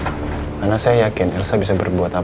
karena saya yakin elsa bisa berbuat sesuatu